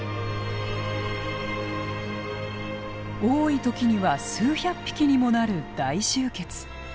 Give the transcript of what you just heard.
多い時には数百匹にもなる大集結。